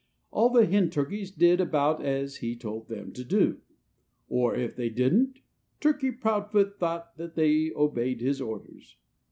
All the hen turkeys did about as he told them to do. Or if they didn't, Turkey Proudfoot thought that they obeyed his orders.